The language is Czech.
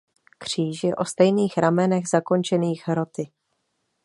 Kříž je o stejných ramenech zakončených hroty.